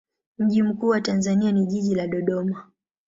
Mji mkuu wa Tanzania ni jiji la Dodoma.